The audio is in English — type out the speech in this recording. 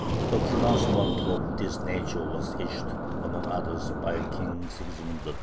A pronouncement of this nature was issued, among others, by King Sigismund III.